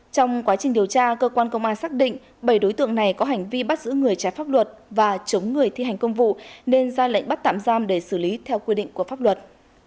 trong quá trình điều tra cơ quan công an xác định bảy đối tượng này có hành vi bắt giữ người trái pháp luật và chống người thi hành công vụ nên ra lệnh bắt tạm giam để xử lý theo quy định của pháp luật